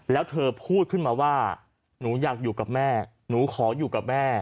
แล้วเธอพูดขึ้นมาว่าหนูอยากอยู่กับแม่หนูขออยู่กับแม่